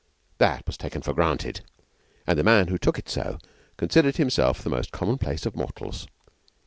That was taken for granted, and the man who took it so considered himself the most commonplace of mortals.